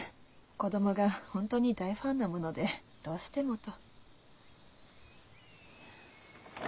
子供が本当に大ファンなものでどうしてもと。